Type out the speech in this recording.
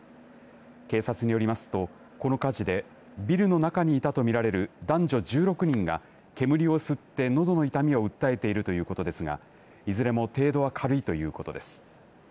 警察によりますとこの火事でビルの中にいたと見られる男女１６人が煙を吸って、のどの痛みを訴えているということですがいずれも程度は軽いということです。